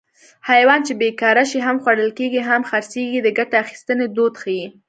حیوان چې بېکاره شي هم خوړل کېږي هم خرڅېږي د ګټې اخیستنې دود ښيي